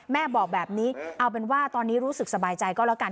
แม่บอกแบบนี้เอาเป็นว่าตอนนี้รู้สึกสบายใจก็แล้วกัน